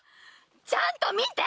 ちゃんと見て！